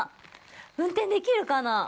運転できるかなぁ。